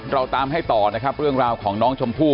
เราตามให้ต่อนะครับเรื่องราวของน้องชมพู่